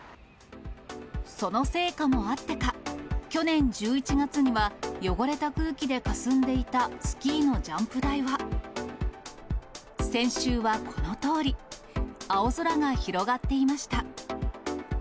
その成果もあってか、去年１１月には汚れた空気でかすんでいたスキーのジャンプ台は、先週はこのとおり、青空が広がっていました。